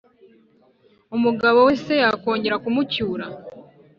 umugabo we se yakongera kumucyura